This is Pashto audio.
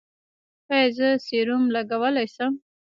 ایا زه سیروم لګولی شم؟